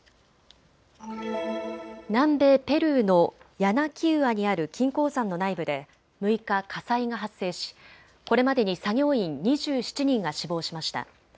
南米ペルーのヤナキウアにある金鉱山の内部で６日、火災が発生しこれまでに作業員２７人が死亡しました。